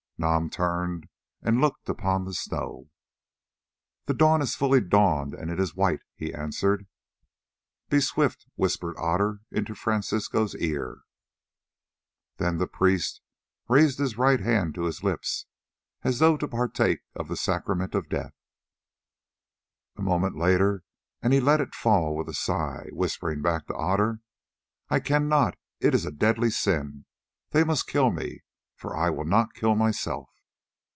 Nam turned and looked upon the snow. "The dawn is fully dawned and it is white!" he answered. "Be swift," whispered Otter into Francisco's ear. Then the priest raised his right hand to his lips, as though to partake of the sacrament of death. A moment later and he let it fall with a sigh, whispering back to Otter: "I cannot, it is a deadly sin. They must kill me, for I will not kill myself."